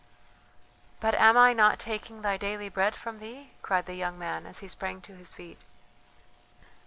"But am I not taking thy daily bread from thee?" cried the young man, as he sprang to his feet.